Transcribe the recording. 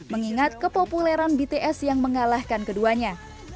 mengingat kepopuleran bts yang mengalahkan keduanya